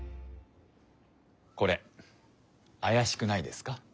これあやしくないですか？